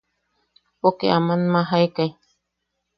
Poke aman majaekai.